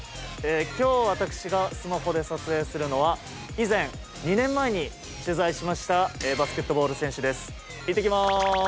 今日、私がスマホで撮影するのは以前２年前に取材しましたバスケットボール選手です。